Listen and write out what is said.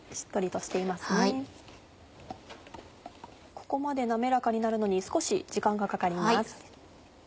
ここまで滑らかになるのに少し時間がかかります。